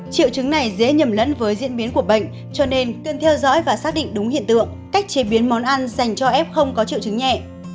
triệu chứng này dễ nhầm lẫn với diễn biến của bệnh cho nên cần theo dõi và xác định đúng hiện tượng cách chế biến món ăn dành cho f không có triệu chứng nhẹ